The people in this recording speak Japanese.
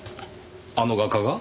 あの画家が？